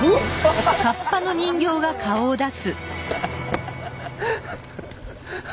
ハハハハ！